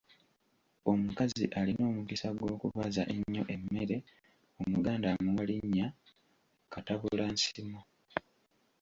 Omukazi alina omukisa gw’okubaza ennyo emmere Omuganda amuwa linnya Katabulansimo.